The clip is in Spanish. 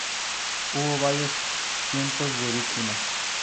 Hubo varios cientos de víctimas.